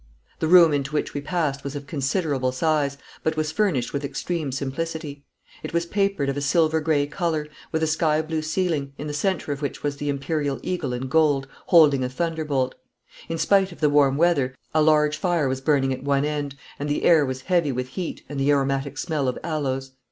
The room into which we passed was of considerable size, but was furnished with extreme simplicity. It was papered of a silver grey colour, with a sky blue ceiling, in the centre of which was the Imperial eagle in gold, holding a thunderbolt. In spite of the warm weather, a large fire was burning at one side, and the air was heavy with heat and the aromatic smell of aloes.